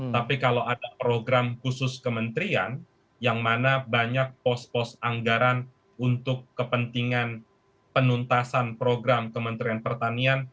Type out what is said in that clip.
tapi kalau ada program khusus kementerian yang mana banyak pos pos anggaran untuk kepentingan penuntasan program kementerian pertanian